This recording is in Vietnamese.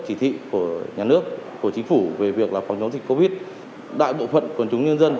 chỉ thị của nhà nước của chính phủ về việc phòng chống dịch covid đại bộ phận quần chúng nhân dân